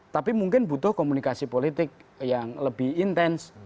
tapi mungkin butuh komunikasi politik yang lebih intens